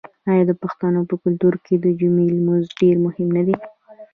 آیا د پښتنو په کلتور کې د جمعې لمونځ ډیر مهم نه دی؟